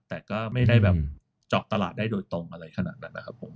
แต่ก็ไม่ได้แบบเจาะตลาดได้โดยตรงอะไรขนาดนั้นนะครับผม